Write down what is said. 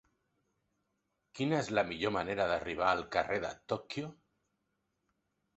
Quina és la millor manera d'arribar al carrer de Tòquio?